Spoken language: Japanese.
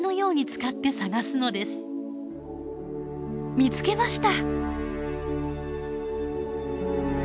見つけました！